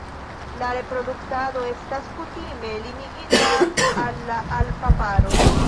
La reproduktado estas kutime limigita al la alfa paro.